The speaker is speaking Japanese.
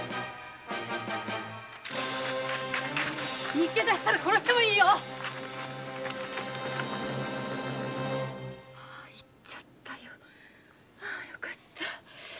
みつけたら殺してもいいよ行っちゃったよああよかった。